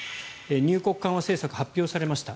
入国緩和政策が発表されました。